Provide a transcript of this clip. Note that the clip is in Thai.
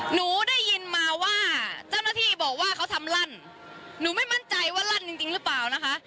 หนูได้ยินมาว่าเจ้าหน้าที่บอกว่าเขาทำลั่นหนูไม่มั่นใจว่าลั่นจริงจริงหรือเปล่านะคะ